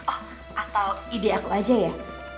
oh atau ide aku aja ya